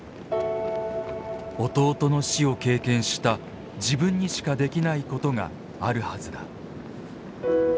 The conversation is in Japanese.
「弟の死を経験した自分にしかできないことがあるはずだ」。